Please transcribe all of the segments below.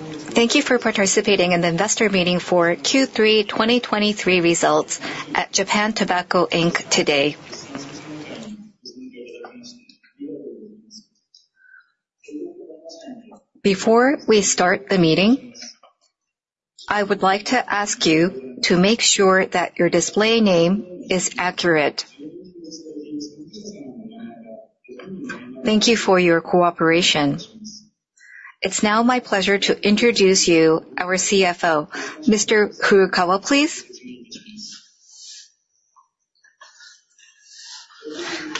Thank you for participating in the investor meeting for Q3 2023 results at Japan Tobacco Inc. today. Before we start the meeting, I would like to ask you to make sure that your display name is accurate. Thank you for your cooperation. It's now my pleasure to introduce you our CFO, Mr. Furukawa, please.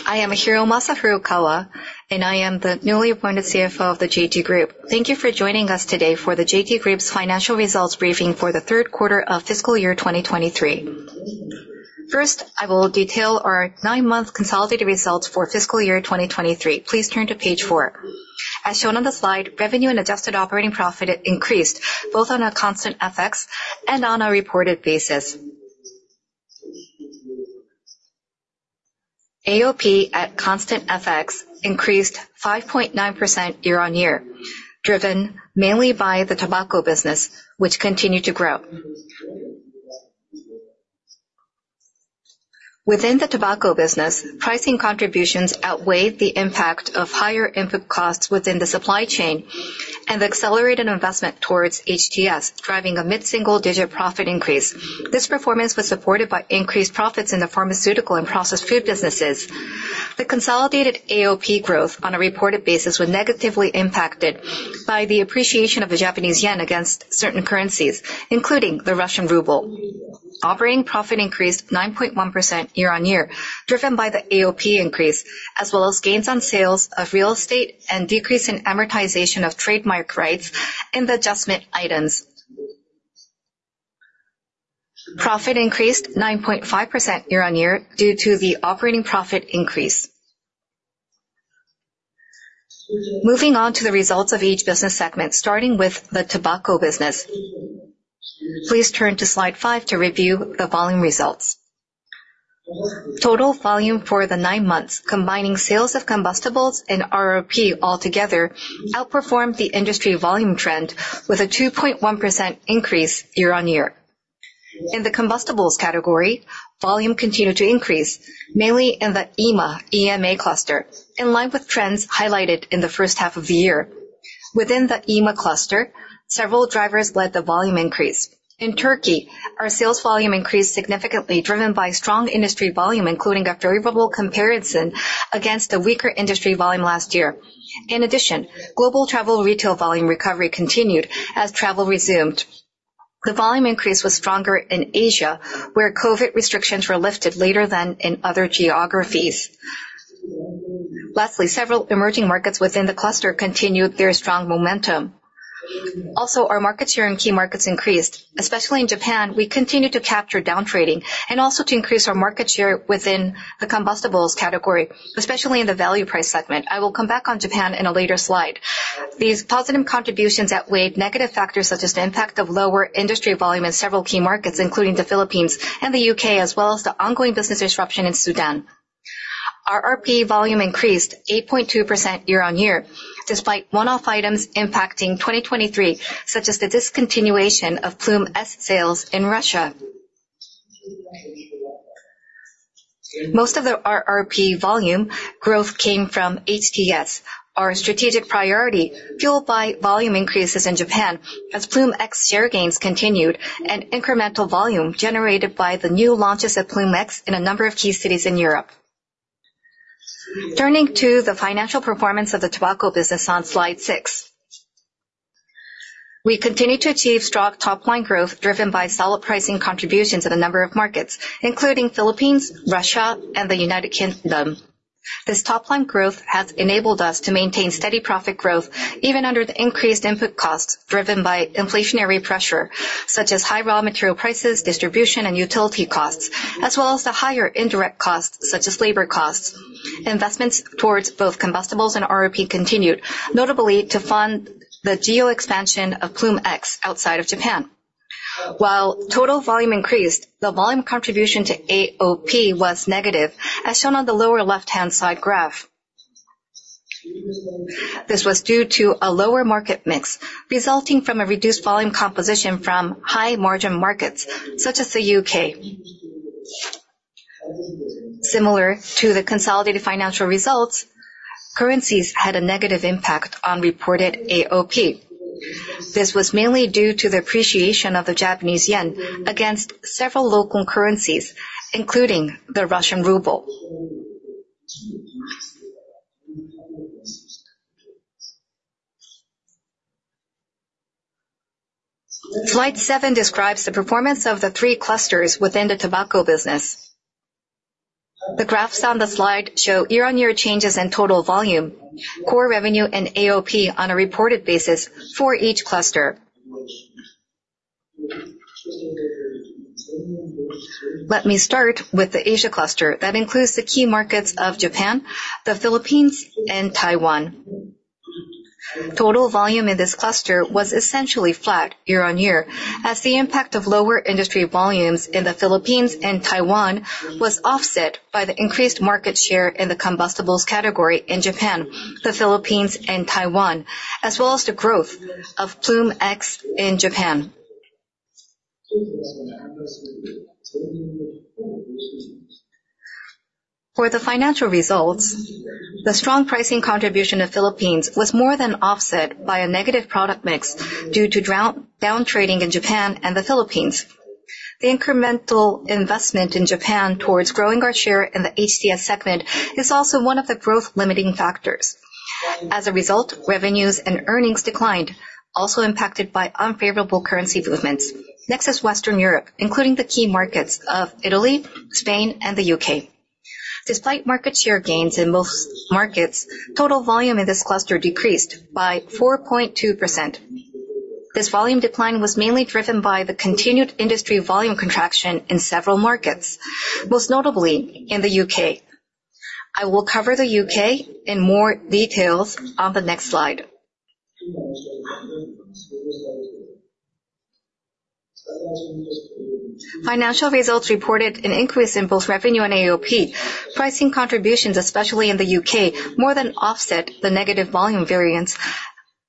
I am Hiromasa Furukawa, and I am the newly appointed CFO of the JT Group. Thank you for joining us today for the JT Group's financial results briefing for the Q3 of fiscal year 2023. First, I will detail our 9-month consolidated results for fiscal year 2023. Please turn to page 4. As shown on the slide, revenue and adjusted operating profit increased both on a constant FX and on a reported basis. AOP at constant FX increased 5.9% year-on-year, driven mainly by the tobacco business, which continued to grow. Within the tobacco business, pricing contributions outweighed the impact of higher input costs within the supply chain and accelerated investment towards HTS, driving a mid-single-digit profit increase. This performance was supported by increased profits in the pharmaceutical and processed food businesses. The consolidated AOP growth on a reported basis was negatively impacted by the appreciation of the Japanese yen against certain currencies, including the Russian ruble. Operating profit increased 9.1% year-on-year, driven by the AOP increase, as well as gains on sales of real estate and decrease in amortization of trademark rights in the adjustment items. Profit increased 9.5% year-on-year due to the operating profit increase. Moving on to the results of each business segment, starting with the tobacco business. Please turn to slide 5 to review the volume results. Total volume for the nine months, combining sales of combustibles and RRP altogether, outperformed the industry volume trend with a 2.1% increase year-on-year. In the combustibles category, volume continued to increase, mainly in the EMA, EMA cluster, in line with trends highlighted in the first half of the year. Within the EMA cluster, several drivers led the volume increase. In Turkey, our sales volume increased significantly, driven by strong industry volume, including a favorable comparison against the weaker industry volume last year. In addition, global travel retail volume recovery continued as travel resumed. The volume increase was stronger in Asia, where COVID restrictions were lifted later than in other geographies. Lastly, several emerging markets within the cluster continued their strong momentum. Also, our market share in key markets increased, especially in Japan. We continued to capture down trading and also to increase our market share within the combustibles category, especially in the value price segment. I will come back on Japan in a later slide. These positive contributions outweighed negative factors such as the impact of lower industry volume in several key markets, including the Philippines and the UK, as well as the ongoing business disruption in Sudan. Our RRP volume increased 8.2% year-on-year, despite one-off items impacting 2023, such as the discontinuation of Ploom S sales in Russia. Most of the RRP volume growth came from HTS, our strategic priority, fueled by volume increases in Japan as Ploom X share gains continued and incremental volume generated by the new launches of Ploom X in a number of key cities in Europe. Turning to the financial performance of the tobacco business on slide 6, we continued to achieve strong top line growth, driven by solid pricing contributions in a number of markets, including Philippines, Russia, and the United Kingdom. This top line growth has enabled us to maintain steady profit growth, even under the increased input costs, driven by inflationary pressure, such as high raw material prices, distribution and utility costs, as well as the higher indirect costs, such as labor costs. Investments towards both combustibles and RRP continued, notably to fund the geo-expansion of Ploom X outside of Japan. While total volume increased, the volume contribution to AOP was negative, as shown on the lower left-hand side graph. This was due to a lower market mix, resulting from a reduced volume composition from high-margin markets, such as the UK. Similar to the consolidated financial results, currencies had a negative impact on reported AOP. This was mainly due to the appreciation of the Japanese yen against several local currencies, including the Russian ruble. Slide 7 describes the performance of the three clusters within the tobacco business. The graphs on the slide show year-on-year changes in total volume, core revenue, and AOP on a reported basis for each cluster. Let me start with the Asia cluster. That includes the key markets of Japan, the Philippines, and Taiwan. Total volume in this cluster was essentially flat year-on-year, as the impact of lower industry volumes in the Philippines and Taiwan was offset by the increased market share in the combustibles category in Japan, the Philippines, and Taiwan, as well as the growth of Ploom X in Japan.... For the financial results, the strong pricing contribution of Philippines was more than offset by a negative product mix due to down trading in Japan and the Philippines. The incremental investment in Japan towards growing our share in the HTS segment is also one of the growth-limiting factors. As a result, revenues and earnings declined, also impacted by unfavorable currency movements. Next is Western Europe, including the key markets of Italy, Spain, and the UK. Despite market share gains in most markets, total volume in this cluster decreased by 4.2%. This volume decline was mainly driven by the continued industry volume contraction in several markets, most notably in the UK. I will cover the UK in more details on the next slide. Financial results reported an increase in both revenue and AOP. Pricing contributions, especially in the UK, more than offset the negative volume variance,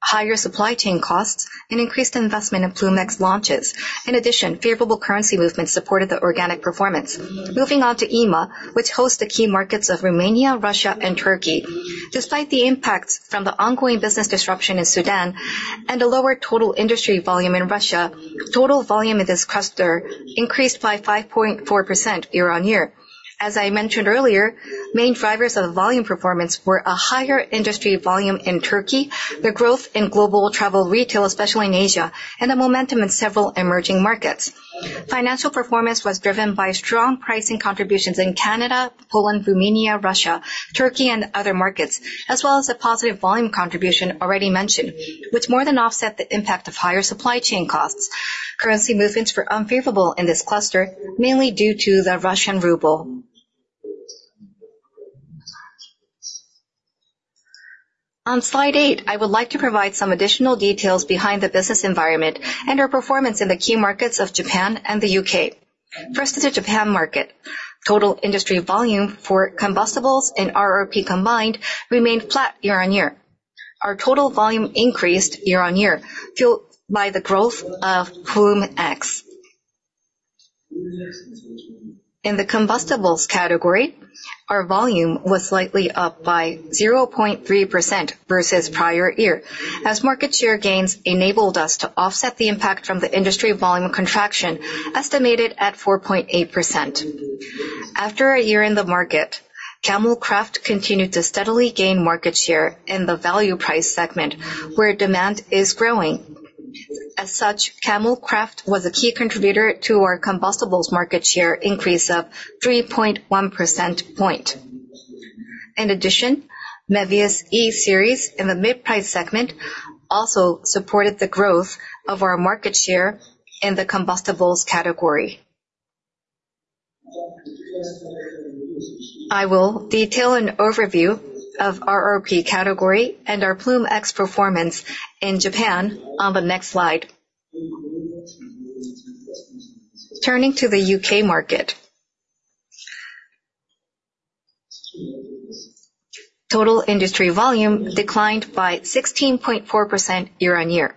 higher supply chain costs, and increased investment in Ploom X launches. In addition, favorable currency movements supported the organic performance. Moving on to EMA, which hosts the key markets of Romania, Russia, and Turkey. Despite the impacts from the ongoing business disruption in Sudan and a lower total industry volume in Russia, total volume in this cluster increased by 5.4% year-on-year. As I mentioned earlier, main drivers of volume performance were a higher industry volume in Turkey, the growth in global travel retail, especially in Asia, and the momentum in several emerging markets. Financial performance was driven by strong pricing contributions in Canada, Poland, Romania, Russia, Turkey, and other markets, as well as the positive volume contribution already mentioned, which more than offset the impact of higher supply chain costs. Currency movements were unfavorable in this cluster, mainly due to the Russian ruble. On slide 8, I would like to provide some additional details behind the business environment and our performance in the key markets of Japan and the UK. First is the Japan market. Total industry volume for combustibles and RRP combined remained flat year-on-year. Our total volume increased year-on-year, fueled by the growth of Ploom X. In the combustibles category, our volume was slightly up by 0.3% versus prior year, as market share gains enabled us to offset the impact from the industry volume contraction, estimated at 4.8%. After a year in the market, Camel Craft continued to steadily gain market share in the value price segment, where demand is growing. As such, Camel Craft was a key contributor to our combustibles market share increase of 3.1 percentage points. In addition, Mevius E-Series in the mid-price segment also supported the growth of our market share in the combustibles category. I will detail an overview of our RRP category and our Ploom X performance in Japan on the next slide. Turning to the U.K. market. Total industry volume declined by 16.4% year-on-year,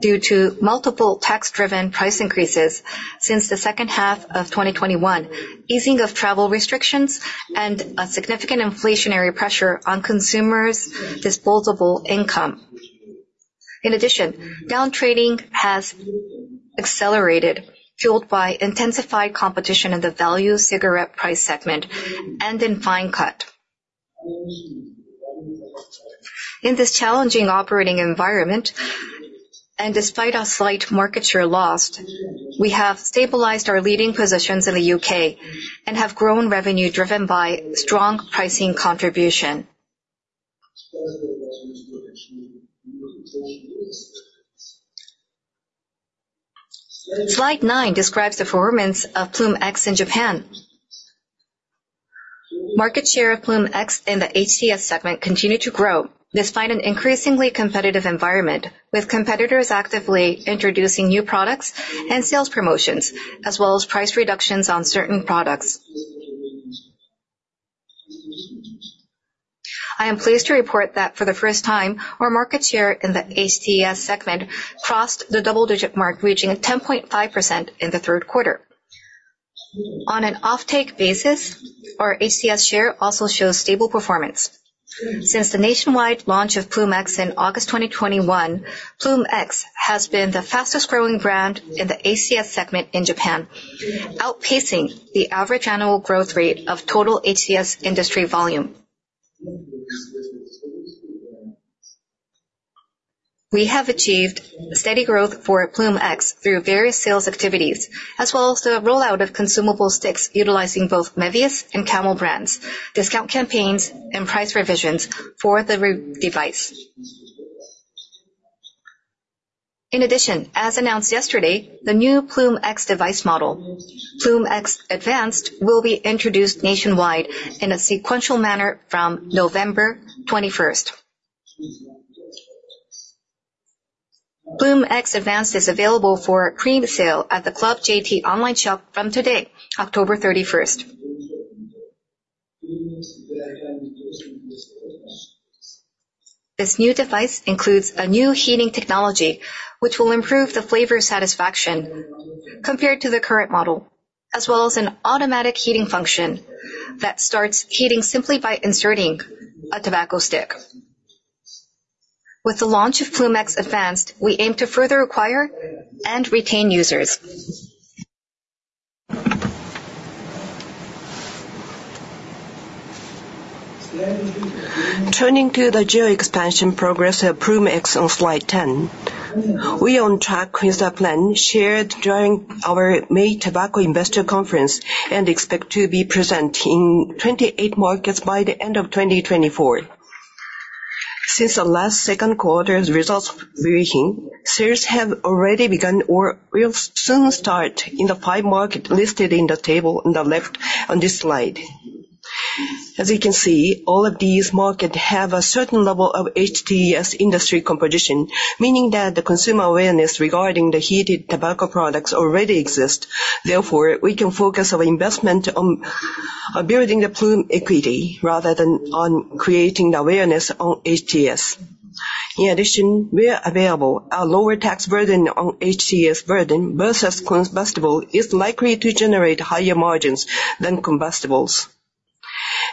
due to multiple tax-driven price increases since the second half of 2021, easing of travel restrictions, and a significant inflationary pressure on consumers' disposable income. In addition, down trading has accelerated, fueled by intensified competition in the value cigarette price segment and in Fine Cut. In this challenging operating environment, and despite a slight market share lost, we have stabilized our leading positions in the U.K. and have grown revenue, driven by strong pricing contribution. Slide 9 describes the performance of Ploom X in Japan. Market share of Ploom X in the HTS segment continued to grow, despite an increasingly competitive environment, with competitors actively introducing new products and sales promotions, as well as price reductions on certain products. I am pleased to report that for the first time, our market share in the HTS segment crossed the double-digit mark, reaching 10.5% in the Q3. On an off-take basis, our HTS share also shows stable performance. Since the nationwide launch of Ploom X in August 2021, Ploom X has been the fastest-growing brand in the HTS segment in Japan, outpacing the average annual growth rate of total HTS industry volume. We have achieved steady growth for Ploom X through various sales activities, as well as the rollout of consumable sticks utilizing both Mevius and Camel brands, discount campaigns, and price revisions for the device. In addition, as announced yesterday, the new Ploom X device model, Ploom X Advanced, will be introduced nationwide in a sequential manner from November 21. Ploom X Advanced is available for pre-sale at the Club JT online shop from today, October 31. This new device includes a new heating technology, which will improve the flavor satisfaction compared to the current model, as well as an automatic heating function that starts heating simply by inserting a tobacco stick. With the launch of Ploom X Advanced, we aim to further acquire and retain users. Turning to the geo expansion progress of Ploom X on slide 10. We are on track with the plan shared during our May Tobacco Investor Conference, and expect to be present in 28 markets by the end of 2024. Since the last Q2's results meeting, sales have already begun, or will soon start in the 5 markets listed in the table on the left on this slide. As you can see, all of these markets have a certain level of HTS industry competition, meaning that the consumer awareness regarding the heated tobacco products already exist. Therefore, we can focus our investment on building the Ploom equity, rather than on creating awareness on HTS. In addition, where available, a lower tax burden on HTS versus combustibles is likely to generate higher margins than combustibles.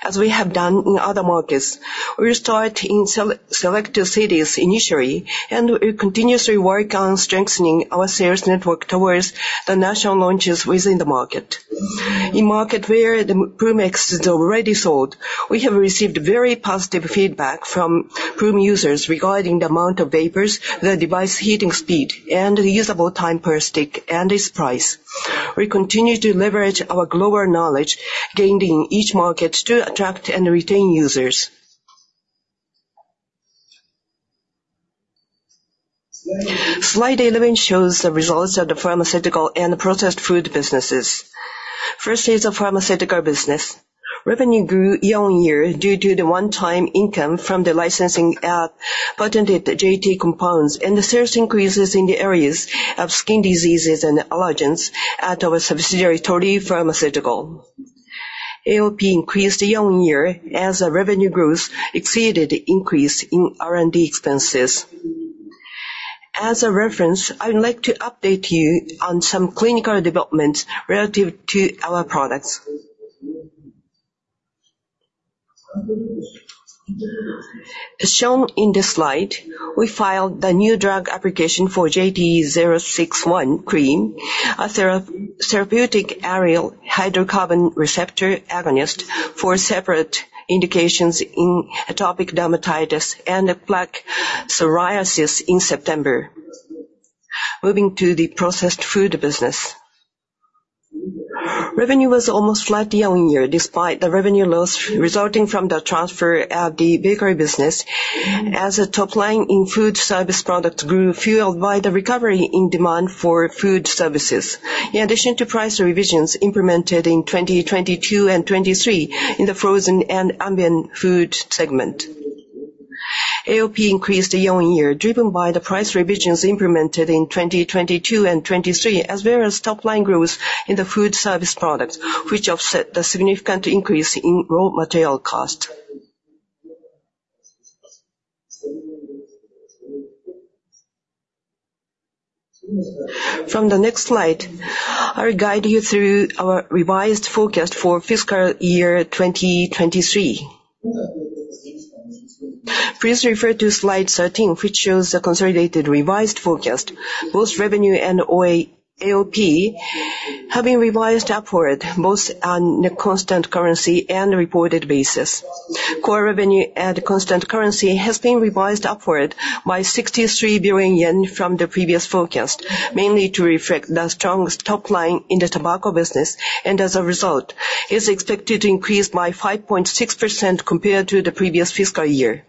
As we have done in other markets, we will start in selected cities initially, and we continuously work on strengthening our sales network towards the national launches within the market. In markets where the Ploom X is already sold, we have received very positive feedback from Ploom users regarding the amount of vapors, the device heating speed, and the usable time per stick, and its price. We continue to leverage our global knowledge gained in each market to attract and retain users. Slide 11 shows the results of the pharmaceutical and processed food businesses. First is the pharmaceutical business. Revenue grew year-on-year, due to the one-time income from the licensing, patented JT compounds, and the sales increases in the areas of skin diseases and allergens at our subsidiary, Torii Pharmaceutical. AOP increased year-on-year, as the revenue growth exceeded the increase in R&D expenses. As a reference, I would like to update you on some clinical developments relative to our products. As shown in this slide, we filed the new drug application for JTE-061 cream, a therapeutic aryl hydrocarbon receptor agonist for separate indications in atopic dermatitis and plaque psoriasis in September. Moving to the processed food business. Revenue was almost flat year-on-year, despite the revenue loss resulting from the transfer of the bakery business, as the top line in food service products grew, fueled by the recovery in demand for food services, in addition to price revisions implemented in 2022 and 2023 in the frozen and ambient food segment. AOP increased year-on-year, driven by the price revisions implemented in 2022 and 2023, as well as top line growth in the food service products, which offset the significant increase in raw material cost. From the next slide, I'll guide you through our revised forecast for fiscal year 2023. Please refer to slide 13, which shows the consolidated revised forecast. Both revenue and AOP have been revised upward, both on the constant currency and reported basis. Core revenue at constant currency has been revised upward by 63 billion yen from the previous forecast, mainly to reflect the strong top line in the tobacco business, and as a result, is expected to increase by 5.6% compared to the previous fiscal year.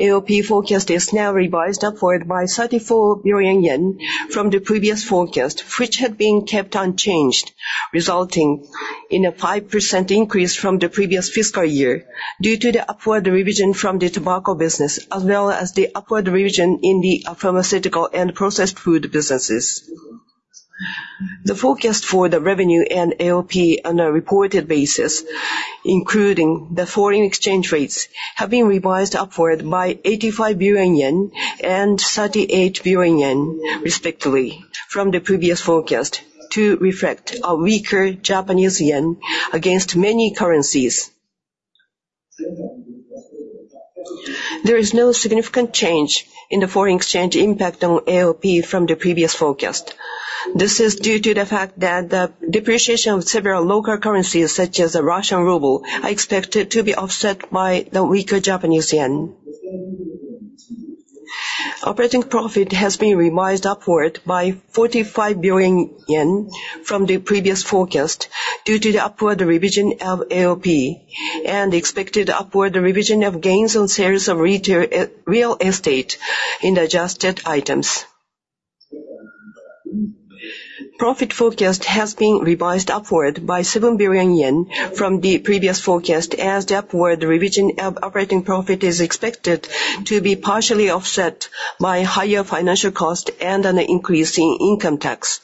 AOP forecast is now revised upward by 34 billion yen from the previous forecast, which had been kept unchanged, resulting in a 5% increase from the previous fiscal year due to the upward revision from the tobacco business, as well as the upward revision in the pharmaceutical and processed food businesses. The forecast for the revenue and AOP on a reported basis, including the foreign exchange rates, have been revised upward by 85 billion yen and 38 billion yen, respectively, from the previous forecast, to reflect a weaker Japanese yen against many currencies. There is no significant change in the foreign exchange impact on AOP from the previous forecast. This is due to the fact that the depreciation of several local currencies, such as the Russian ruble, are expected to be offset by the weaker Japanese yen. Operating profit has been revised upward by 45 billion yen from the previous forecast, due to the upward revision of AOP and the expected upward revision of gains on sales of real estate in the adjusted items. Profit forecast has been revised upward by 7 billion yen from the previous forecast, as the upward revision of operating profit is expected to be partially offset by higher financial cost and an increase in income tax.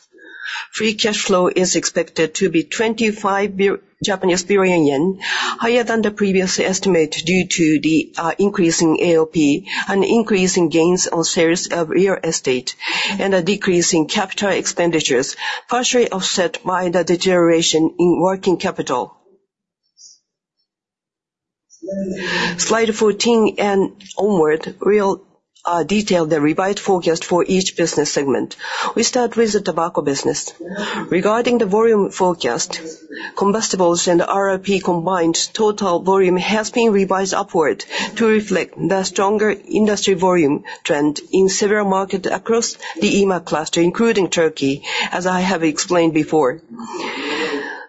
Free cash flow is expected to be 25 billion yen, higher than the previous estimate, due to the increasing AOP and increasing gains on sales of real estate, and a decrease in capital expenditures, partially offset by the deterioration in working capital. Slide 14 and onward, we'll detail the revised forecast for each business segment. We start with the tobacco business. Regarding the volume forecast, Combustibles and RRP combined total volume has been revised upward to reflect the stronger industry volume trend in several markets across the EMA cluster, including Turkey, as I have explained before.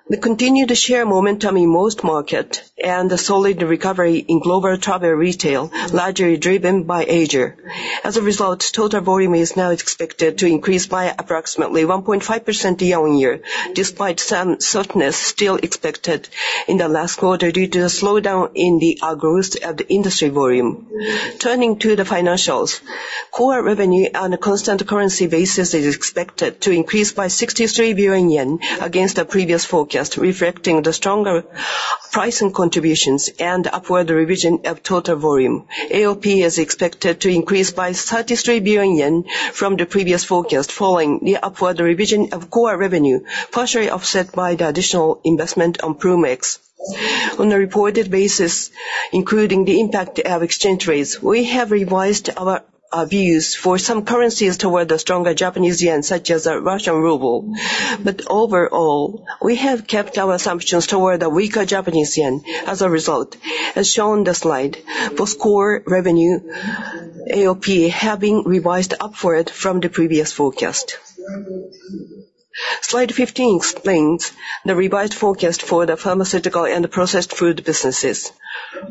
We continue to share momentum in most markets and the solid recovery in global travel retail, largely driven by Asia. As a result, total volume is now expected to increase by approximately 1.5% year-on-year, despite some softness still expected in the last quarter, due to the slowdown in the growth of the industry volume. Turning to the financials, core revenue on a constant currency basis is expected to increase by 63 billion yen against the previous forecast, reflecting the stronger pricing contributions and upward revision of total volume. AOP is expected to increase by 33 billion yen from the previous forecast, following the upward revision of core revenue, partially offset by the additional investment on Ploom X. On a reported basis, including the impact of exchange rates, we have revised our views for some currencies toward the stronger Japanese yen, such as the Russian ruble. But overall, we have kept our assumptions toward the weaker Japanese yen as a result, as shown in the slide. Both core revenue AOP have been revised upward from the previous forecast. Slide 15 explains the revised forecast for the pharmaceutical and the processed food businesses.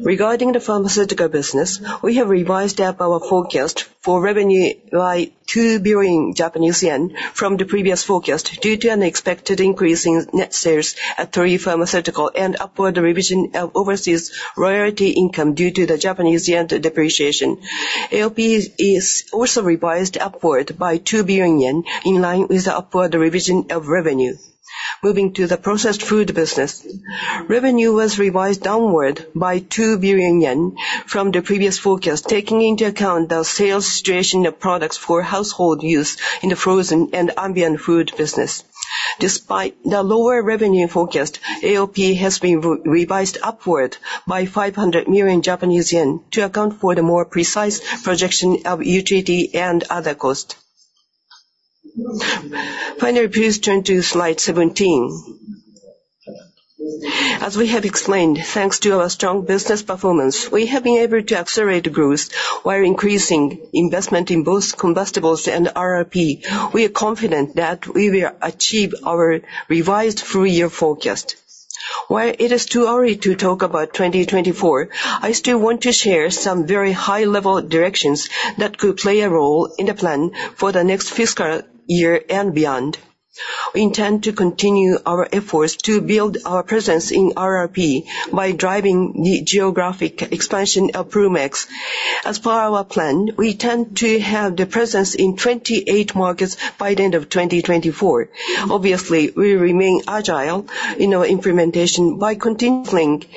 Regarding the pharmaceutical business, we have revised up our forecast for revenue by 2 billion Japanese yen from the previous forecast, due to an expected increase in net sales at Torii Pharmaceutical, and upward revision of overseas royalty income due to the Japanese yen depreciation. AOP is also revised upward by 2 billion yen, in line with the upward revision of revenue. Moving to the processed food business, revenue was revised downward by 2 billion yen from the previous forecast, taking into account the sales situation of products for household use in the frozen and ambient food business. Despite the lower revenue forecast, AOP has been revised upward by 500 million Japanese yen to account for the more precise projection of utility and other costs. Finally, please turn to slide 17. As we have explained, thanks to our strong business performance, we have been able to accelerate growth while increasing investment in both Combustibles and RRP. We are confident that we will achieve our revised full-year forecast. While it is too early to talk about 2024, I still want to share some very high-level directions that could play a role in the plan for the next fiscal year and beyond. We intend to continue our efforts to build our presence in RRP by driving the geographic expansion of Ploom X. As per our plan, we tend to have the presence in 28 markets by the end of 2024. Obviously, we remain agile in our implementation by continually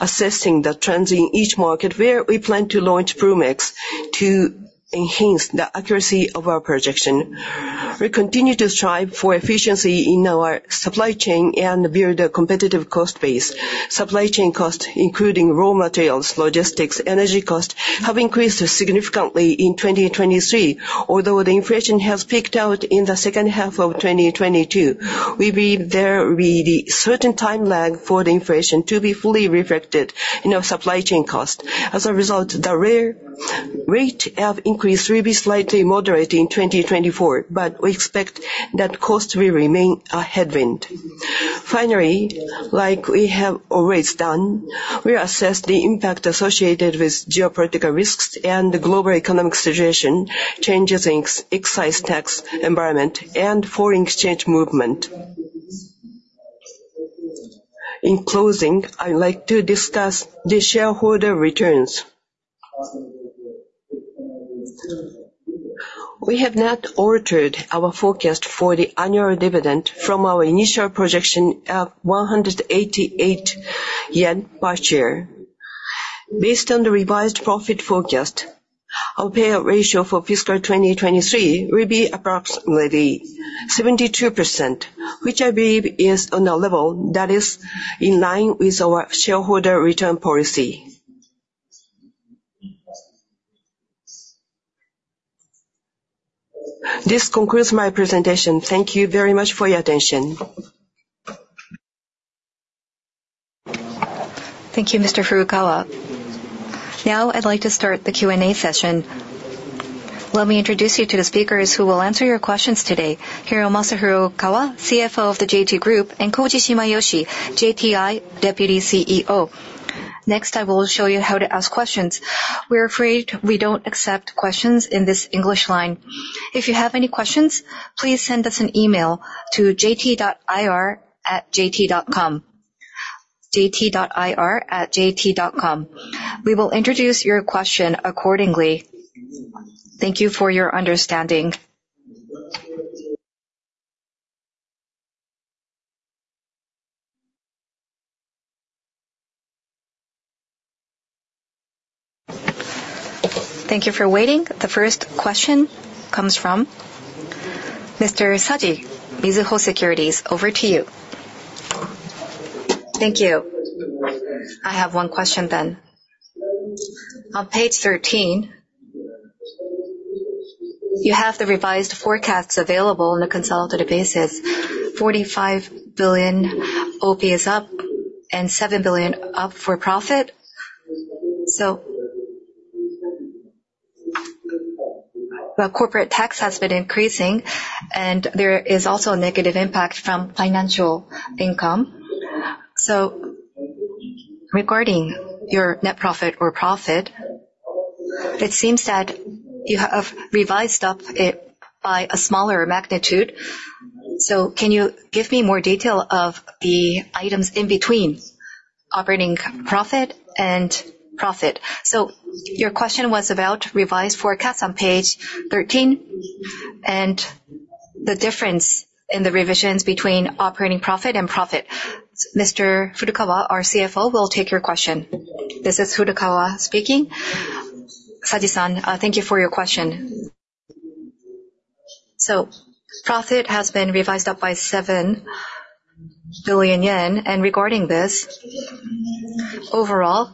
assessing the trends in each market where we plan to launch Ploom X, to enhance the accuracy of our projection. We continue to strive for efficiency in our supply chain and build a competitive cost base. Supply chain costs, including raw materials, logistics, energy costs, have increased significantly in 2023. Although the inflation has peaked out in the second half of 2022, we believe there will be the certain time lag for inflation to be fully reflected in our supply chain cost. As a result, the rate of increase will be slightly moderate in 2024, but we expect that costs will remain a headwind. Finally, like we have always done, we assess the impact associated with geopolitical risks and the global economic situation, changes in excise tax environment, and foreign exchange movement. In closing, I'd like to discuss the shareholder returns. We have not altered our forecast for the annual dividend from our initial projection of 188 yen per share. Based on the revised profit forecast, our payout ratio for fiscal 2023 will be approximately 72%, which I believe is on a level that is in line with our shareholder return policy. This concludes my presentation. Thank you very much for your attention. Thank you, Mr. Furukawa. Now I'd like to start the Q&A session. Let me introduce you to the speakers who will answer your questions today. Hiromasa Furukawa, CFO of the JT Group, and Koji Shimayoshi, JTI Deputy CEO. Next, I will show you how to ask questions. We are afraid we don't accept questions in this English line. If you have any questions, please send us an email to jt.ir@jt.com. jt.ir@jt.com. We will introduce your question accordingly. Thank you for your understanding. Thank you for waiting. The first question comes from Mr. Saji, Mizuho Securities, over to you. Thank you. I have one question then. On page 13, you have the revised forecasts available on a consolidated basis, 45 billion OP is up and 7 billion up for profit. So, the corporate tax has been increasing, and there is also a negative impact from financial income. So regarding your net profit or profit, it seems that you have revised up it by a smaller magnitude. So can you give me more detail of the items in between operating profit and profit? So your question was about revised forecast on page 13, and the difference in the revisions between operating profit and profit. Mr. Furukawa, our CFO, will take your question. This is Furukawa speaking. Saji-san, thank you for your question. So profit has been revised up by 7 billion yen, and regarding this, overall,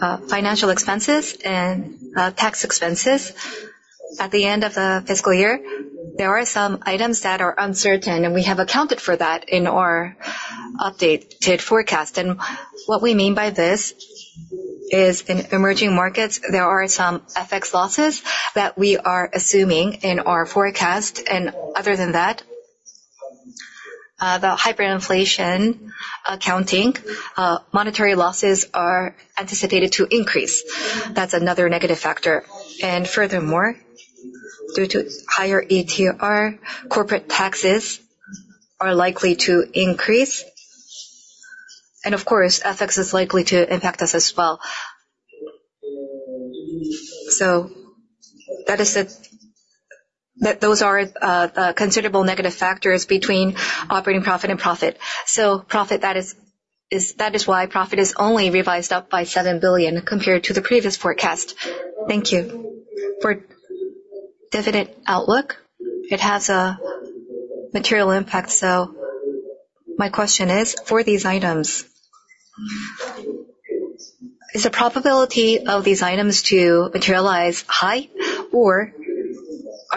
financial expenses and tax expenses at the end of the fiscal year, there are some items that are uncertain, and we have accounted for that in our updated forecast. And what we mean by this is, in emerging markets, there are some FX losses that we are assuming in our forecast. And other than that, the hyperinflation accounting, monetary losses are anticipated to increase. That's another negative factor. And furthermore, due to higher ETR, corporate taxes are likely to increase, and of course, FX is likely to impact us as well. So that are considerable negative factors between operating profit and profit. So profit, that is why profit is only revised up by 7 billion compared to the previous forecast. Thank you. For dividend outlook, it has a material impact, so my question is, for these items, is the probability of these items to materialize high, or are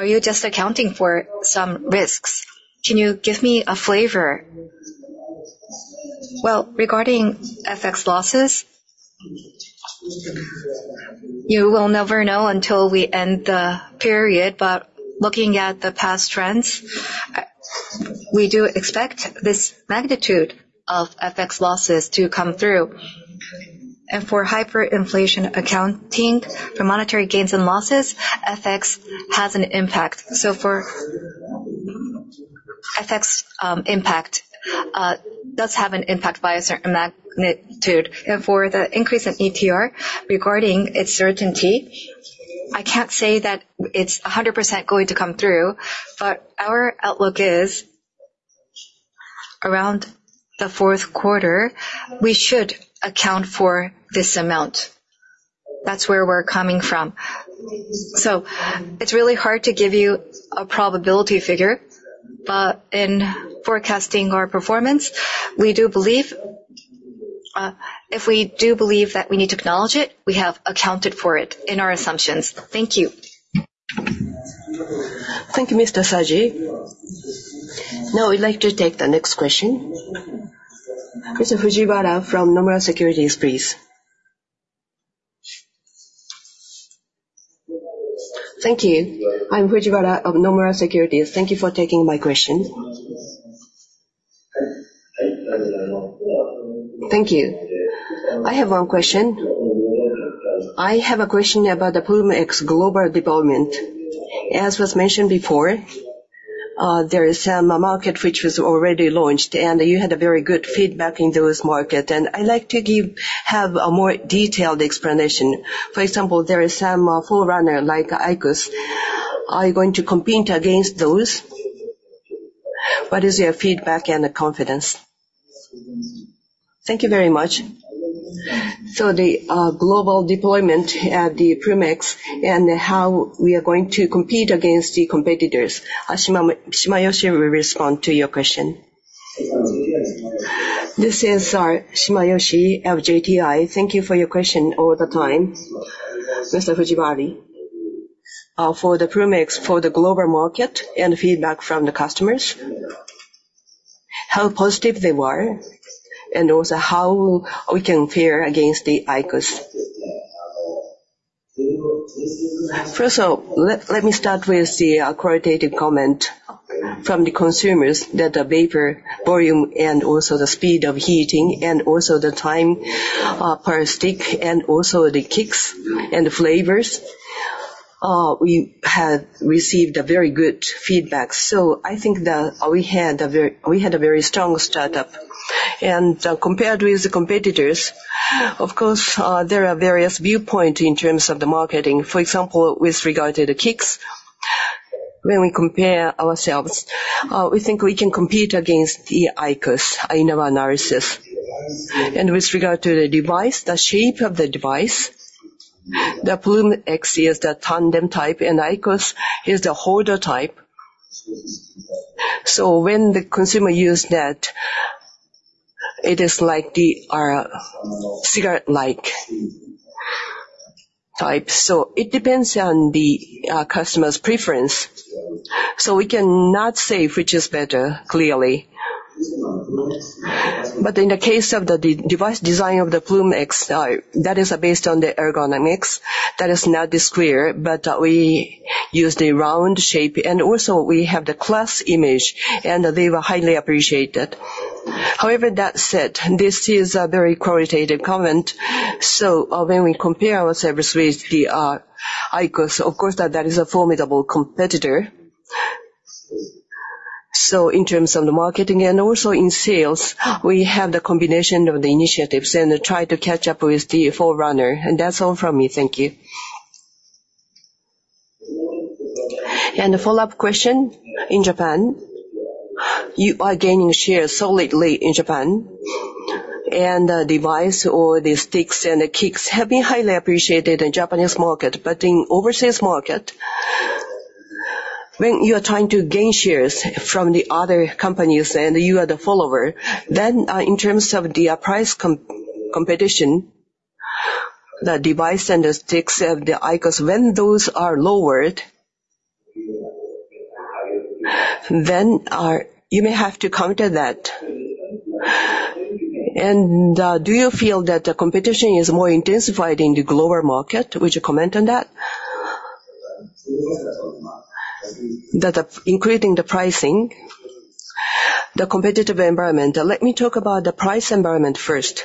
you just accounting for some risks? Can you give me a flavor? Well, regarding FX losses, you will never know until we end the period. But looking at the past trends, we do expect this magnitude of FX losses to come through. And for hyperinflation accounting, for monetary gains and losses, FX has an impact. So for FX impact does have an impact by a certain magnitude. For the increase in ETR, regarding its certainty, I can't say that it's 100% going to come through, but our outlook is around the Q4, we should account for this amount. That's where we're coming from. It's really hard to give you a probability figure, but in forecasting our performance, we do believe, if we do believe that we need to acknowledge it, we have accounted for it in our assumptions. Thank you. Thank you, Mr. Saji. Now I would like to take the next question. Mr. Fujiwara from Nomura Securities, please. Thank you. I'm Fujiwara of Nomura Securities. Thank you for taking my question. Thank you. I have one question. I have a question about the Ploom X global deployment. As was mentioned before, there is some market which was already launched, and you had a very good feedback in those market, and I'd like to have a more detailed explanation. For example, there is some forerunner, like IQOS. Are you going to compete against those? What is your feedback and confidence? Thank you very much. So the global deployment at the Ploom X and how we are going to compete against the competitors. Shimayoshi will respond to your question. This is Shimayoshi of JTI. Thank you for your question over time, Mr. Fujiwara. For the Ploom X, for the global market and feedback from the customers, how positive they feedback was, and also how we can fare against the IQOS. First of all, let me start with the qualitative comment from the consumers, that the vapor volume and also the speed of heating, and also the time per stick, and also the kicks and the flavors. We had received a very good feedback. So I think that we had a very strong start. Compared with the competitors, of course, there are various viewpoints in terms of the marketing. For example, with regard to the Kick, when we compare ourselves, we think we can compete against the IQOS, I know our analysis. With regard to the device, the shape of the device, the Ploom X is the tandem type, and IQOS is the holder type. So when the consumer use that, it is like the cigarette-like type. So it depends on the customer's preference. So we cannot say which is better, clearly. But in the case of the device design of the Ploom X, that is based on the ergonomics, that is not the square, but we use the round shape, and also we have the class image, and they were highly appreciated. However, that said, this is a very qualitative comment, so when we compare ourselves with the IQOS, of course, that is a formidable competitor. So in terms of the marketing and also in sales, we have the combination of the initiatives and try to catch up with the forerunner. And that's all from me. Thank you. And a follow-up question. In Japan, you are gaining shares solidly in Japan, and device or the sticks and the kicks have been highly appreciated in the Japanese market. But in overseas market, when you are trying to gain shares from the other companies, and you are the follower, then, in terms of the price competition, the device and the sticks of the IQOS, when those are lowered, then you may have to counter that. And do you feel that the competition is more intensified in the global market? Would you comment on that? That Increasing the pricing, the competitive environment. Let me talk about the price environment first.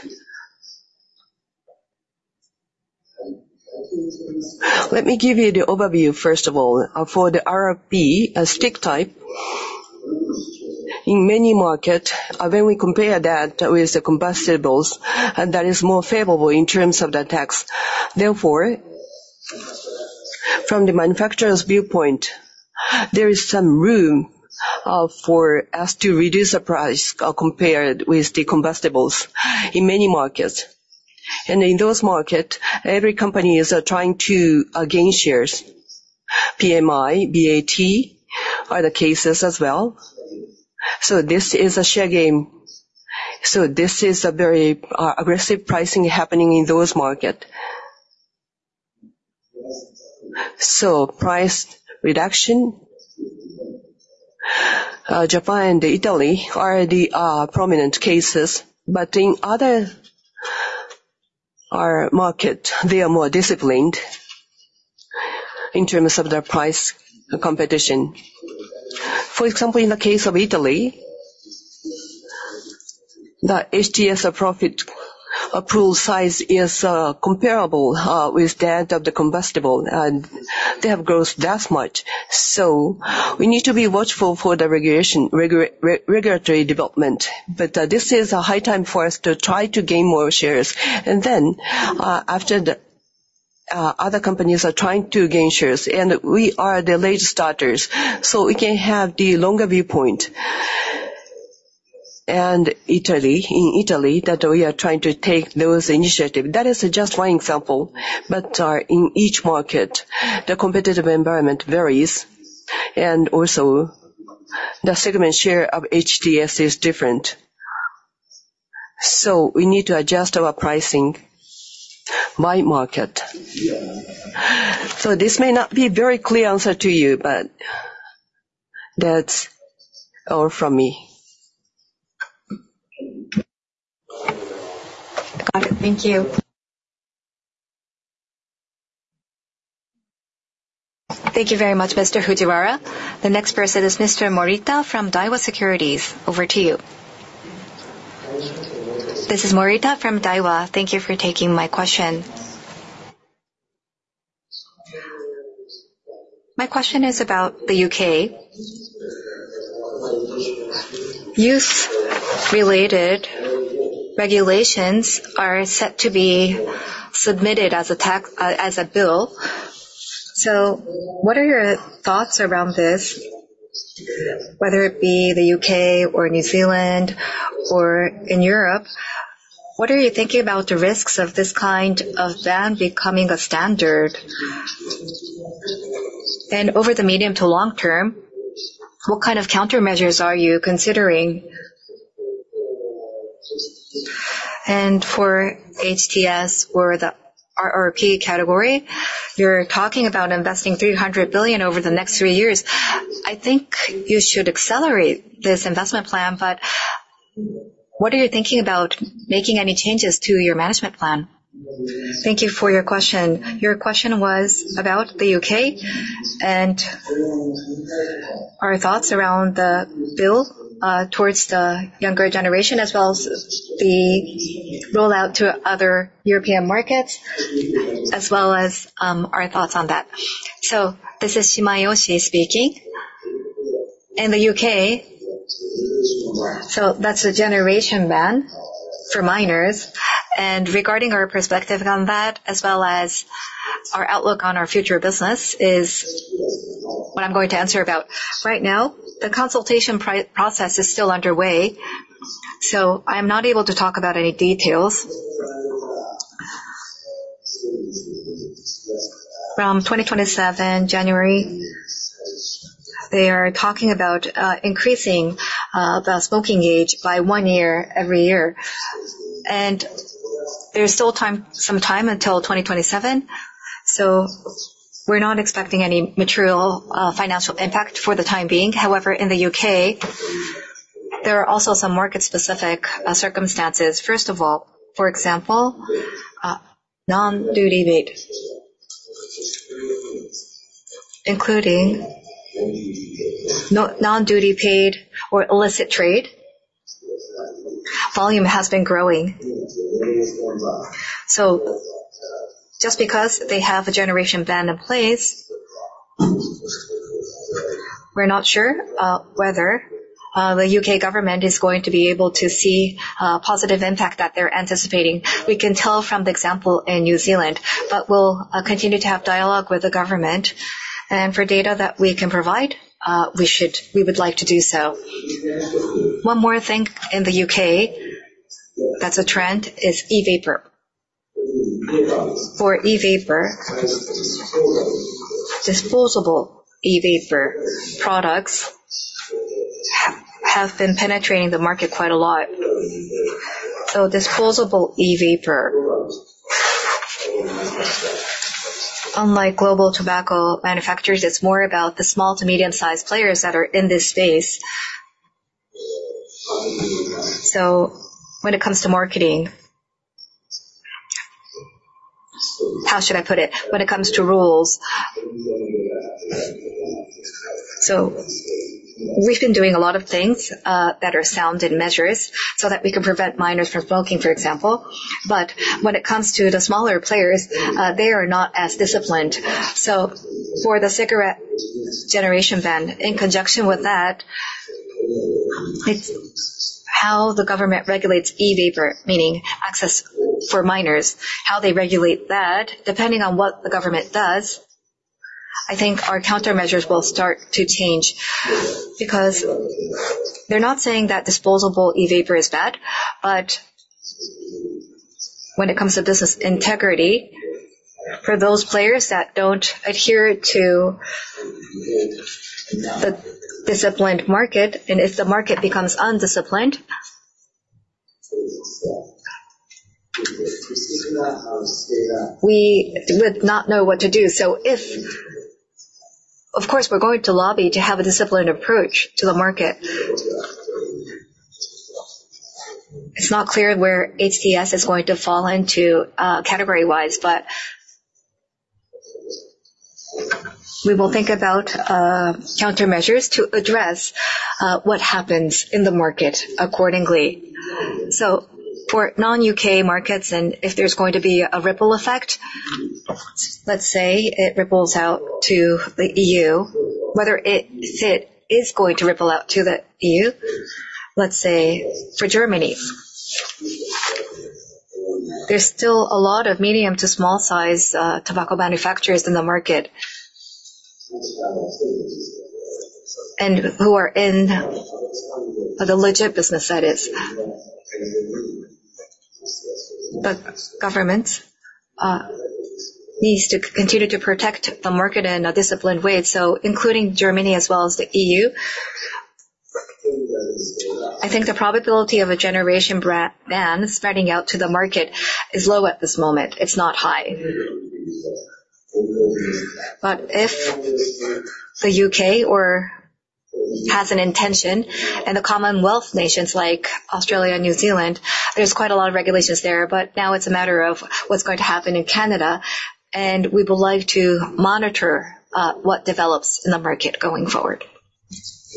Let me give you the overview, first of all. For the RRP, a stick type, in many markets, when we compare that with the combustibles, and that is more favorable in terms of the tax. Therefore, from the manufacturer's viewpoint, there is some room for us to reduce the price compared with the combustibles in many markets. And in those markets, every company is trying to gain shares. PMI, BAT are the cases as well. So this is a share game. So this is a very aggressive pricing happening in those markets. So price reduction, Japan and Italy are the prominent cases, but in our other markets, they are more disciplined in terms of their price competition. For example, in the case of Italy, the HTS profit pool size is comparable with that of the combustibles, and they have grown that much. So we need to be watchful for the regulation, regulatory development. But, this is a high time for us to try to gain more shares. And then, after the other companies are trying to gain shares, and we are the late starters, so we can have the longer viewpoint. And Italy, in Italy, that we are trying to take those initiative. That is just one example, but, in each market, the competitive environment varies, and also the segment share of HTS is different. So we need to adjust our pricing by market. So this may not be a very clear answer to you, but that's all from me. Got it. Thank you. Thank you very much, Mr. Fujiwara. The next person is Mr. Morita from Daiwa Securities. Over to you. This is Morita from Daiwa. Thank you for taking my question. My question is about the U.K. Youth-related regulations are set to be submitted as a tax, as a bill. So what are your thoughts around this? Whether it be the U.K. or New Zealand or in Europe, what are you thinking about the risks of this kind of ban becoming a standard? And over the medium to long term, what kind of countermeasures are you considering? And for HTS or the RRP category, you're talking about investing 300 billion over the next three years. I think you should accelerate this investment plan, but what are you thinking about making any changes to your management plan? Thank you for your question. Your question was about the U.K. and our thoughts around the bill towards the younger generation, as well as the rollout to other European markets, as well as our thoughts on that. This is Shimayoshi speaking. In the U.K., so that's a generation ban for minors. And regarding our perspective on that, as well as our outlook on our future business, is what I'm going to answer about right now. The consultation process is still underway, so I'm not able to talk about any details. From January 2027, they are talking about increasing the smoking age by one year every year, and there's still some time until 2027, so we're not expecting any material financial impact for the time being. However, in the U.K., there are also some market-specific circumstances. First of all, for example, non-duty paid, including non-duty paid or illicit trade, volume has been growing. So just because they have a generation ban in place, we're not sure whether the UK government is going to be able to see positive impact that they're anticipating. We can tell from the example in New Zealand, but we'll continue to have dialogue with the government, and for data that we can provide, we should... We would like to do so. One more thing in the UK, that's a trend, is e-vapor. For e-vapor, disposable e-vapor products have been penetrating the market quite a lot. So disposable e-vapor, unlike global tobacco manufacturers, it's more about the small to medium-sized players that are in this space. So when it comes to marketing, how should I put it? When it comes to rules, so we've been doing a lot of things that are sound in measures so that we can prevent minors from smoking, for example. But when it comes to the smaller players, they are not as disciplined. So for the cigarette generation ban, in conjunction with that, it's how the government regulates e-vapor, meaning access for minors, how they regulate that. Depending on what the government does, I think our countermeasures will start to change, because they're not saying that disposable e-vapor is bad, but when it comes to business integrity, for those players that don't adhere to the disciplined market, and if the market becomes undisciplined, we would not know what to do. Of course, we're going to lobby to have a disciplined approach to the market. It's not clear where HTS is going to fall into category-wise, but we will think about countermeasures to address what happens in the market accordingly. So for non-U.K. markets, and if there's going to be a ripple effect, let's say it ripples out to the E.U., whether it is going to ripple out to the E.U., let's say for Germany. There's still a lot of medium to small-sized tobacco manufacturers in the market, and who are in the legit business, that is. The government needs to continue to protect the market in a disciplined way, so including Germany as well as the E.U. I think the probability of a generation ban spreading out to the market is low at this moment. It's not high. But if the U.K. or has an intention, and the Commonwealth nations like Australia and New Zealand, there's quite a lot of regulations there, but now it's a matter of what's going to happen in Canada, and we would like to monitor what develops in the market going forward.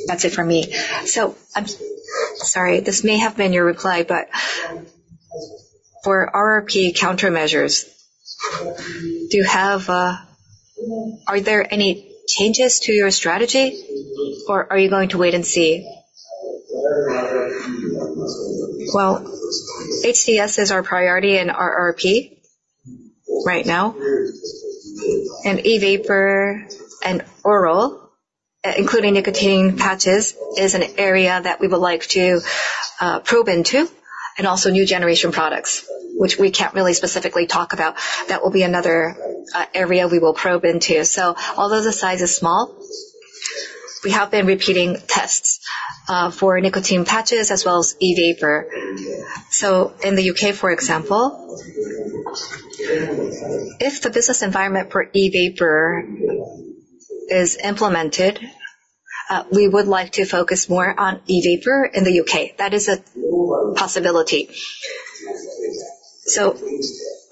That's it for me. So I'm sorry, this may have been your reply, but for RRP countermeasures, do you have Are there any changes to your strategy, or are you going to wait and see? Well, HTS is our priority in RRP right now, and e-vapor and oral, including nicotine patches, is an area that we would like to probe into, and also new generation products, which we can't really specifically talk about. That will be another area we will probe into. So although the size is small, we have been repeating tests for nicotine patches as well as e-vapor. So in the U.K., for example, if the business environment for e-vapor is implemented, we would like to focus more on e-vapor in the U.K. That is a possibility. So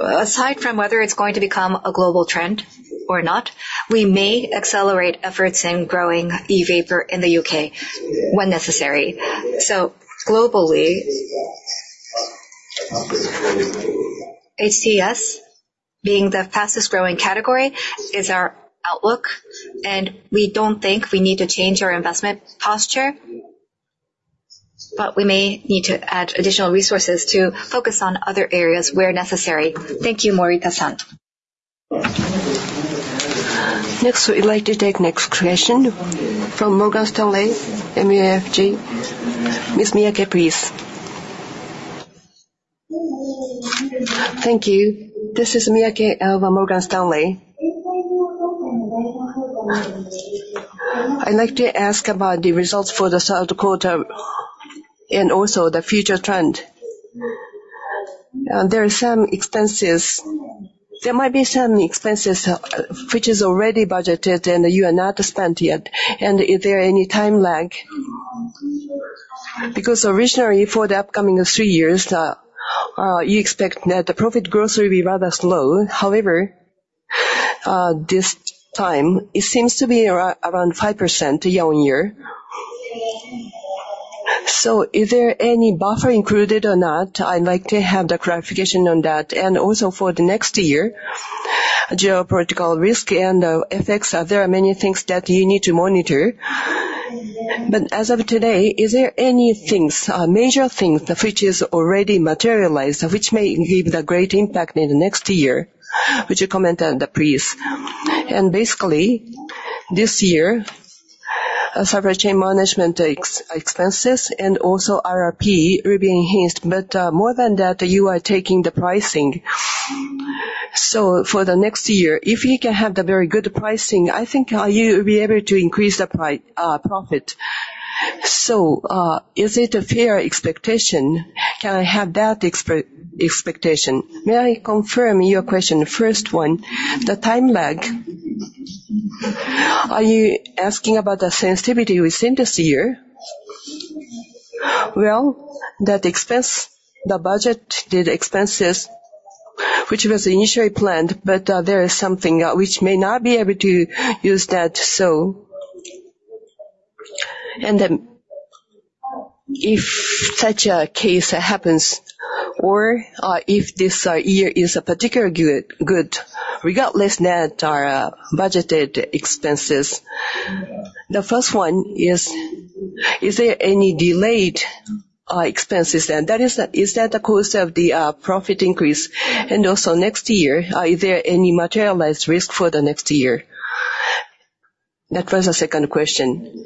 aside from whether it's going to become a global trend or not, we may accelerate efforts in growing e-vapor in the U.K. when necessary. So globally, HTS being the fastest growing category is our outlook, and we don't think we need to change our investment posture. But we may need to add additional resources to focus on other areas where necessary. Thank you, Morita-san. Next, we'd like to take next question from Morgan Stanley MUFG. Miss Miyake, please. Thank you. This is Miyake of Morgan Stanley. I'd like to ask about the results for the Q3, and also the future trend. There are some expenses, there might be some expenses, which is already budgeted and you have not spent yet, and is there any time lag? Because originally, for the upcoming three years, you expect net profit growth will be rather slow. However, this time it seems to be around 5% year-on-year. So is there any buffer included or not? I'd like to have the clarification on that, and also for the next year, geopolitical risk and effects. There are many things that you need to monitor, but as of today, is there any things, major things which is already materialized, which may have a great impact in the next year? Would you comment on that, please? And basically, this year, supply chain management expenses and also RRP will be enhanced, but, more than that, you are taking the pricing. So for the next year, if you can have the very good pricing, I think, you will be able to increase the profit. So, is it a fair expectation? Can I have that expectation? May I confirm your question? First one, the time lag. Are you asking about the sensitivity within this year? Well, that expense, the budget, the expenses, which was initially planned, but there is something which may not be able to use that. If such a case happens or if this year is a particularly good, regardless net or budgeted expenses, the first one is there any delayed expenses, and that is that the cause of the profit increase? Also next year, are there any materialized risk for the next year? That was the second question.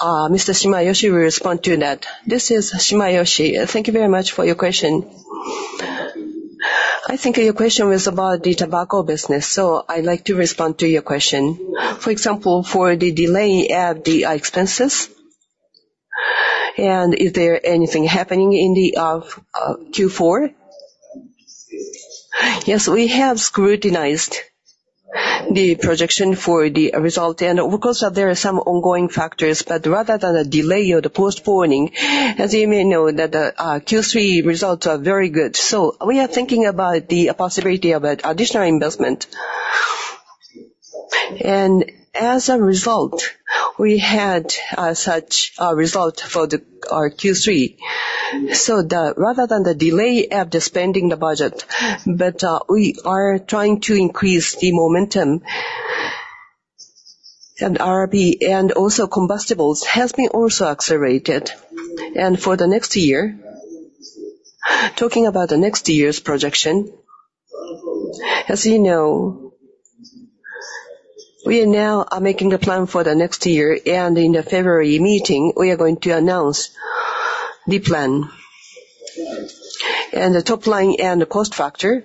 Mr. Shimayoshi will respond to that. This is Shimayoshi. Thank you very much for your question. I think your question was about the tobacco business, so I'd like to respond to your question. For example, for the delay at the expenses, and is there anything happening in the of Q4? Yes, we have scrutinized the projection for the result, and of course, there are some ongoing factors, but rather than a delay or the postponing, as you may know, that the Q3 results are very good. So we are thinking about the possibility of an additional investment. And as a result, we had such a result for the Q3. So the, rather than the delay of the spending the budget, but we are trying to increase the momentum and RRP and also combustibles has been also accelerated. And for the next year, talking about the next year's projection, as you know, we now are making the plan for the next year, and in the February meeting, we are going to announce the plan. And the top line and the cost factor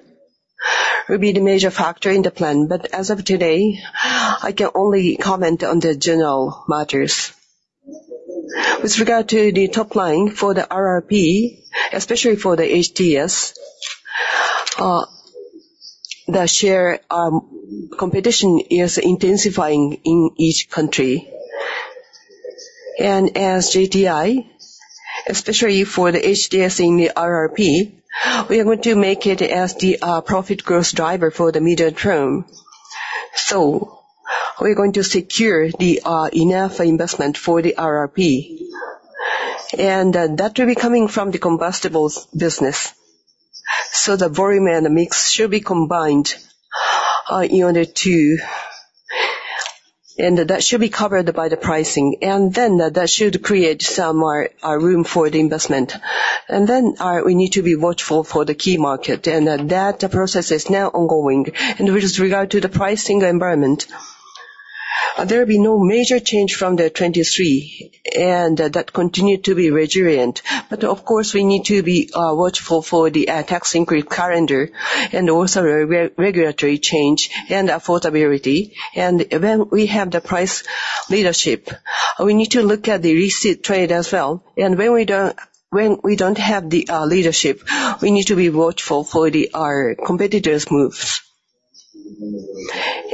will be the major factor in the plan. But as of today, I can only comment on the general matters. With regard to the top line for the RRP, especially for the HTS, the share, competition is intensifying in each country. And as JTI, especially for the HTS in the RRP, we are going to make it as the, profit growth driver for the medium term. So we're going to secure the, enough investment for the RRP, and, that will be coming from the combustibles business. So the volume and the mix should be combined, in order to... And that should be covered by the pricing, and then that should create some more, room for the investment. And then, we need to be watchful for the key market, and, that process is now ongoing. With regard to the pricing environment, there will be no major change from 2023, and that continued to be resilient. But of course, we need to be watchful for the tax increase calendar and also regulatory change and affordability. And when we have the price leadership, we need to look at the down trading as well. And when we don't, when we don't have the leadership, we need to be watchful for our competitors' moves.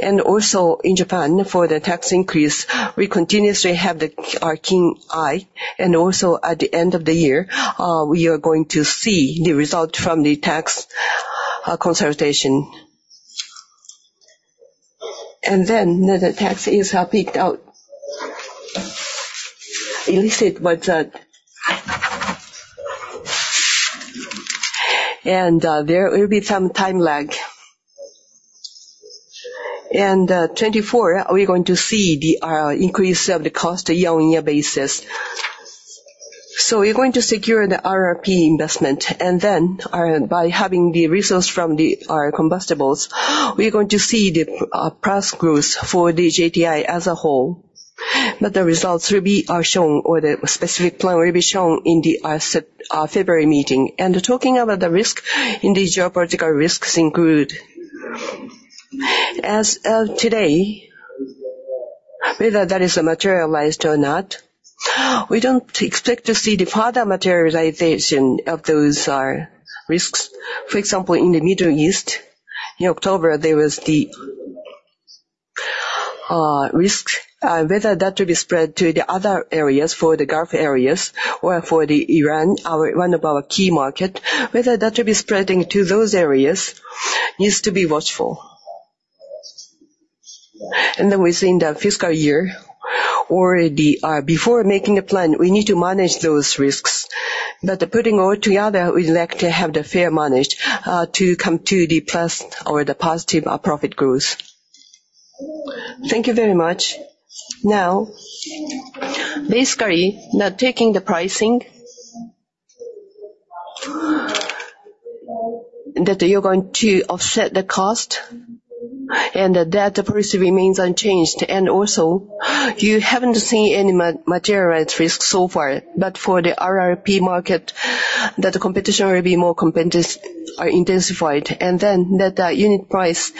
And also in Japan, for the tax increase, we continuously have our keen eye, and also at the end of the year, we are going to see the result from the tax consultation. And then the tax is peaked out. Illicit trade, but and there will be some time lag. And 2024, we're going to see the increase of the cost year-on-year basis. So we're going to secure the RRP investment, and then, by having the resource from our combustibles, we're going to see the price growth for the JTI as a whole. But the results will be shown or the specific plan will be shown in the February meeting. And talking about the risk in the geopolitical risks include, as of today, whether that is materialized or not, we don't expect to see the further materialization of those risks. For example, in the Middle East, in October, there was the risk, whether that will be spread to the other areas, for the Gulf areas or for Iran, one of our key market, whether that will be spreading to those areas needs to be watchful. Then within the fiscal year or the before making a plan, we need to manage those risks. But putting all together, we'd like to have the fair managed to come to the plus or the positive profit growth. Thank you very much. Now, basically, not taking the pricing, that you're going to offset the cost, and that the price remains unchanged. And also, you haven't seen any materialized risks so far, but for the RRP market, that the competition will be more intensified, and then that the unit price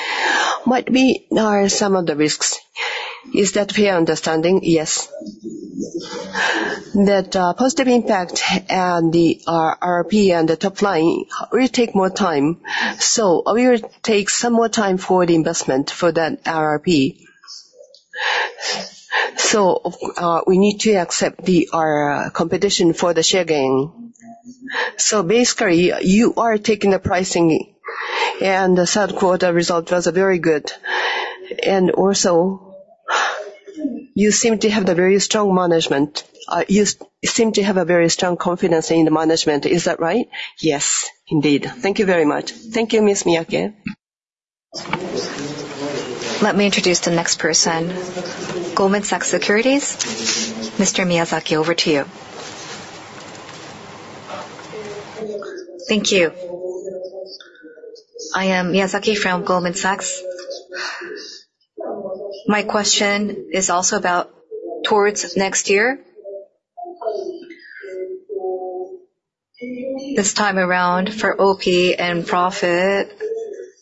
might be some of the risks. Is that we are understanding? Yes. That positive impact and the RRP and the top line will take more time, so we will take some more time for the investment for that RRP. So, we need to accept the competition for the share gain. So basically, you are taking the pricing, and the Q3 result was very good. And also, you seem to have the very strong management, you seem to have a very strong confidence in the management. Is that right? Yes, indeed. Thank you very much. Thank you, Ms. Miyake. Let me introduce the next person. Goldman Sachs Securities, Mr. Miyazaki, over to you. Thank you. I am Miyazaki from Goldman Sachs. My question is also about towards next year. This time around for OP and profit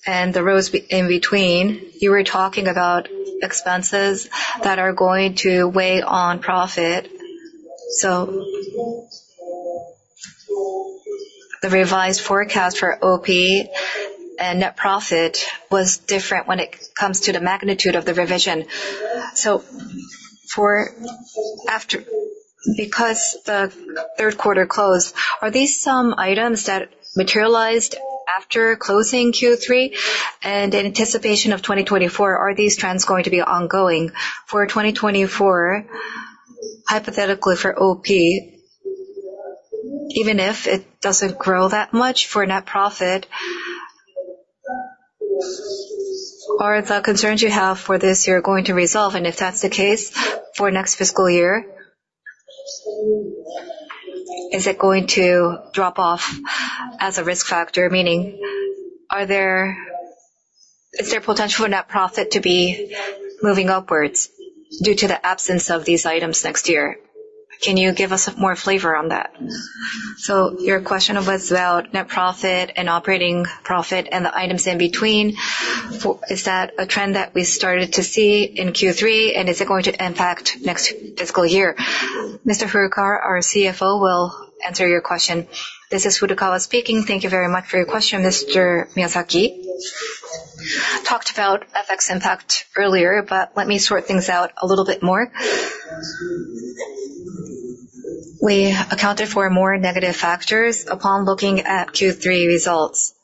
and the rows in between, you were talking about expenses that are going to weigh on profit. So the revised forecast for OP and net profit was different when it comes to the magnitude of the revision. So for after... Because the Q3 closed, are these some items that materialized after closing Q3? And in anticipation of 2024, are these trends going to be ongoing for 2024, hypothetically for OP, even if it doesn't grow that much for net profit? Are the concerns you have for this year going to resolve? And if that's the case, for next fiscal year, is it going to drop off as a risk factor? Meaning, is there potential for net profit to be moving upwards due to the absence of these items next year? Can you give us more flavor on that? So your question was about net profit and operating profit and the items in between. Is that a trend that we started to see in Q3, and is it going to impact next fiscal year? Mr. Furukawa, our CFO, will answer your question. This is Furukawa speaking. Thank you very much for your question, Mr. Miyazaki. Talked about FX impact earlier, but let me sort things out a little bit more. We accounted for more negative factors upon looking at Q3 results.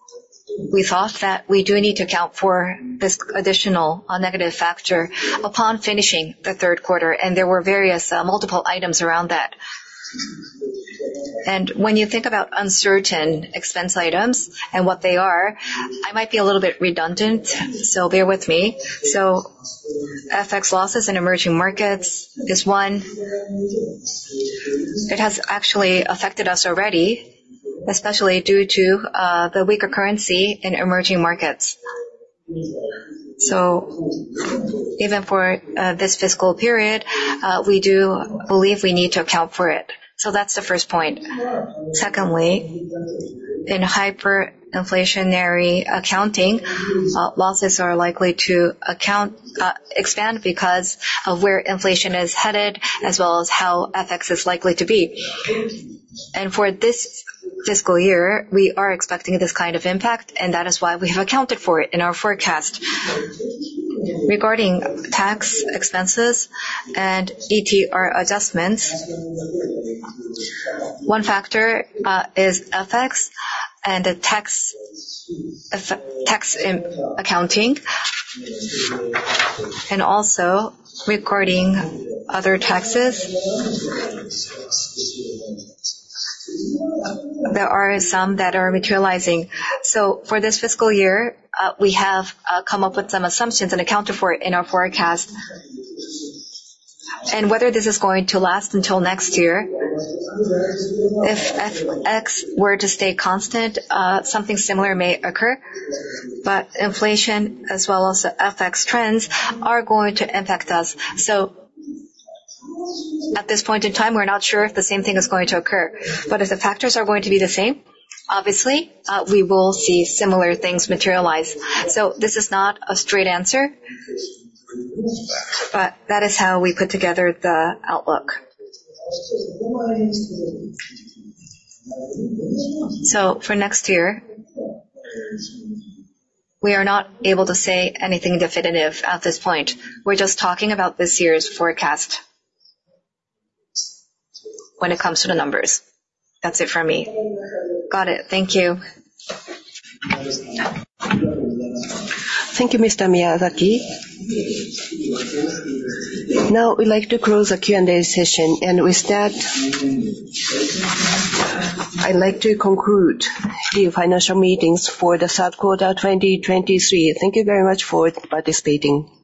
We thought that we do need to account for this additional negative factor upon finishing the Q3, and there were various multiple items around that. And when you think about uncertain expense items and what they are, I might be a little bit redundant, so bear with me. So FX losses in emerging markets is one. It has actually affected us already, especially due to the weaker currency in emerging markets. So even for this fiscal period, we do believe we need to account for it. So that's the first point. Secondly, in hyperinflationary accounting, losses are likely to expand because of where inflation is headed, as well as how FX is likely to be. And for this fiscal year, we are expecting this kind of impact, and that is why we have accounted for it in our forecast. Regarding tax expenses and ETR adjustments, one factor is FX and the tax accounting, and also regarding other taxes, there are some that are materializing. So for this fiscal year, we have come up with some assumptions and accounted for it in our forecast. And whether this is going to last until next year, if FX were to stay constant, something similar may occur, but inflation as well as the FX trends are going to impact us. So at this point in time, we're not sure if the same thing is going to occur. But if the factors are going to be the same, obviously, we will see similar things materialize. So this is not a straight answer, but that is how we put together the outlook. So for next year, we are not able to say anything definitive at this point. We're just talking about this year's forecast when it comes to the numbers. That's it from me. Got it. Thank you. Thank you, Mr. Miyazaki. Now, we'd like to close the Q&A session, and with that, I'd like to conclude the financial meetings for the Q3, 2023. Thank you very much for participating.